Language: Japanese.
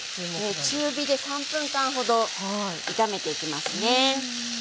中火で３分間ほど炒めていきますね。